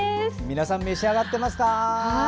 皆さん召し上がってますか？